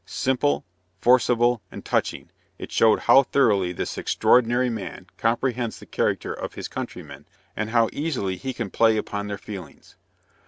Simple, forcible, and touching, it showed how thoroughly this extraordinary man comprehends the character of his countrymen, and how easily he can play upon their feelings.